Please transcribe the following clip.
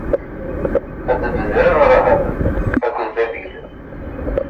Ad d-bedreɣ Rahab akked Babil.